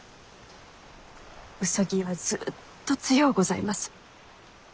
兎はずっと強うございます。